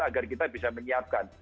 agar kita bisa menyiapkan